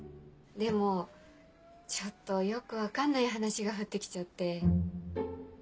でもちょっとよく分かんない話が降って来ちゃって。